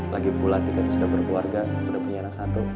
lagipula tika itu sudah berkeluarga sudah punya anak satu